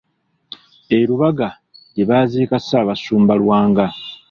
E Lubaga gye baaziika Ssaabasumba Lwanga.